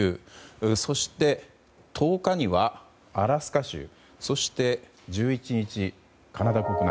そして１０日にはアラスカ州そして１１日、カナダ国内。